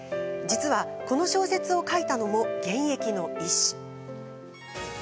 実は、この小説を書いたのも現役の医師。